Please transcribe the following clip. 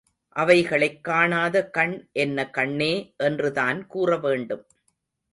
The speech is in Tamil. அவைகளைக் காணாத கண் என்ன கண்ணே என்றுதான் கூறவேண்டும்.